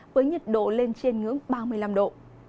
với nhiệt độ lên trên ngưỡng ba mươi năm độ